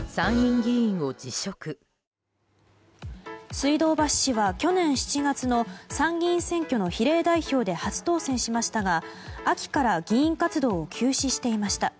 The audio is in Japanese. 水道橋氏は去年７月の参議院選挙の比例代表で初当選しましたが、秋から議員活動を休止していました。